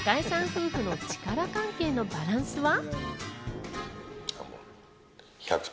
夫婦の力関係のバランスは？